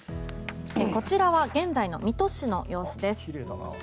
こちらは現在の水戸市の様子です。